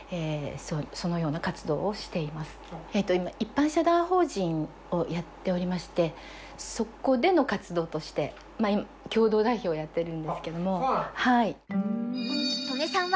今一般社団法人をやっておりましてそこでの活動として共同代表をやってるんですけども。